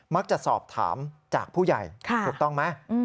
จะสอบถามจากผู้ใหญ่ถูกต้องไหม